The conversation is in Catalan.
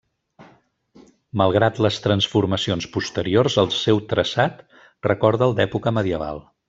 Malgrat les transformacions posteriors, el seu traçat recorda el d'època medieval.